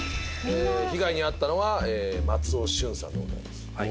被害に遭ったのは松尾駿さんでございます